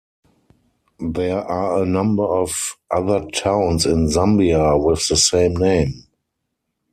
There are a number of other towns in Zambia with the same name.